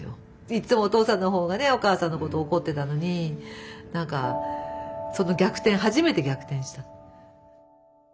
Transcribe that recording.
いっつもお父さんの方がねお母さんのことを怒ってたのに何かその逆転初めて逆転した。